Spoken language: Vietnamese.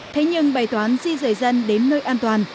thế nhưng bài toán di rời dân đến nơi an toàn